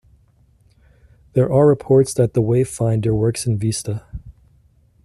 There are reports that the Wavefinder works in Vista.